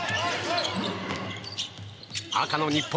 赤の日本。